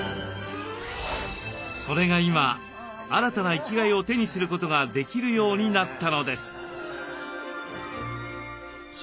それが今新たな生きがいを手にすることができるようになったのです。